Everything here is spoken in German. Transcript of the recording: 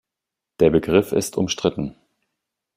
Der Begriff ist umstritten.